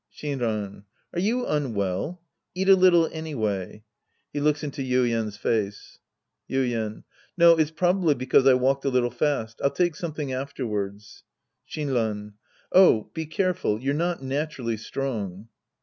Shinran. Are you unwell ? Eat a little anyway. {He looks into Yvies's face.) Ytden. No, it's probably because I walked a little fast. I'll take something afterwards. Shinran. Oh. Be careful. You're not naturally strong.